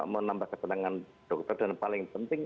menambah ketenangan dokter dan paling penting